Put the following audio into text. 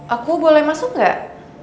aku boleh masuk gak